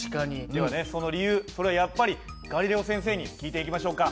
ではねその理由それはやっぱりガリレオ先生に聞いていきましょうか。